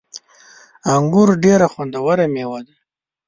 انګور ډیره خوندوره میوه ده